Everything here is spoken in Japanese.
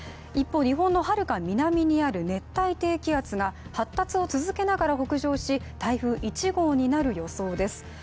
一方、日本のはるか南にある熱帯低気圧が発達を続けながら北上し台風１号になる予想です。